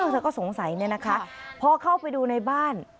เธอก็สงสัยเนี่ยนะคะพอเข้าไปดูในบ้าน